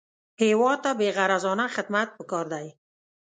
هېواد ته بېغرضانه خدمت پکار دی